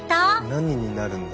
何になるんだ？